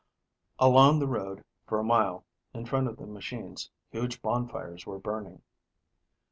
Along the road for a mile in front of the machine, huge bonfires were burning.